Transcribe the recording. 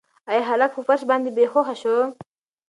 ایا هلک په فرش باندې بې هوښه شو؟